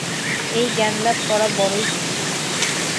এই জ্ঞানলাভ করা বড়ই কঠিন।